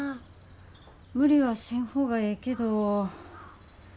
無理はせん方がええけど。